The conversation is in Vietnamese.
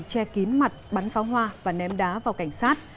che kín mặt bắn pháo hoa và ném đá vào cảnh sát